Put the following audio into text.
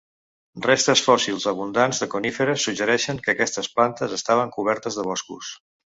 Restes fòssils abundants de coníferes suggereixen que aquestes planes estaven cobertes de boscos.